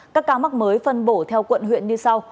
các ca mắc mới phân bổ theo quận huyện như sau